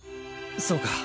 そうか。